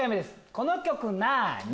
この曲なに？